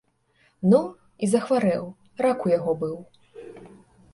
Ну, і захварэў, рак у яго быў.